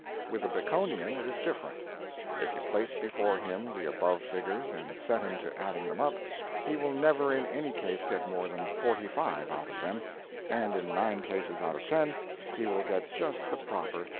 With the Baconian it is different. If you place before him the above figures and set him to adding them up, he will never in any case get more than 45 out of them, and in nine cases out of ten he will get just the proper 31.